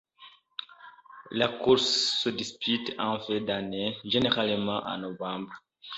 La course se dispute en fin d'année, généralement en novembre.